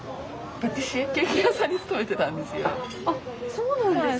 そうなんですか？